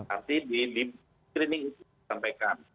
arti di screening itu disampaikan